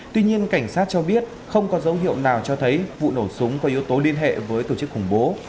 tuy nhiên cảnh sát cho biết không có dấu hiệu nào cho thấy vụ nổ súng có yếu tố liên hệ với tổ chức khủng bố